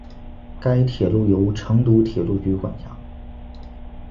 该铁路由成都铁路局管辖。